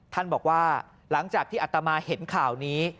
บอกว่าหลังจากที่อัตมาเห็นข่าวนี้